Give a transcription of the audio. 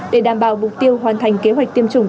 để đảm bảo mục tiêu hoàn thành kế hoạch tiêm chủng